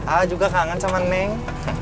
ala juga kangen sama neng